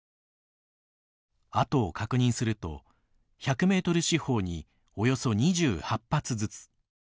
痕を確認すると１００ｍ四方におよそ２８発ずつ。